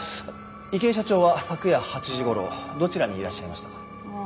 池井社長は昨夜８時頃どちらにいらっしゃいましたか？